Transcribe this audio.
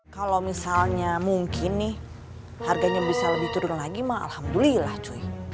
kalau misalnya mungkin nih harganya bisa lebih turun lagi mah alhamdulillah cuy